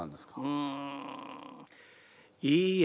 うん。